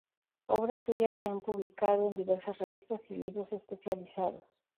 Obras suyas se han publicado en diversas revistas y libros especializados.